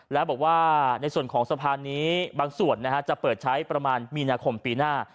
แล้วบอกว่าในส่วนของสะพานนี้บางส่วนจะเปิดใช้ประมาณมีนาคมปีหน้า